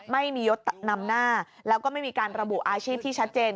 ไม่มียศนำหน้าแล้วก็ไม่มีการระบุอาชีพที่ชัดเจน